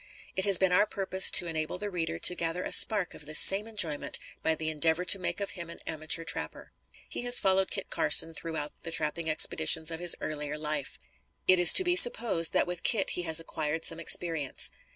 It has been our purpose to enable the reader to gather a spark of this same enjoyment by the endeavor to make of him an amateur trapper. He has followed Kit Carson throughout the trapping expeditions of his earlier life. It is to be supposed that with Kit he has acquired some experience.